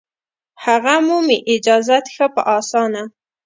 هغه مومي اجازت ښه په اسانه